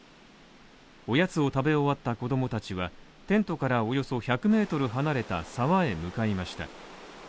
おやつを食べ終わった子供たちはテントからおよそ１００ｍ離れた沢へ向かいました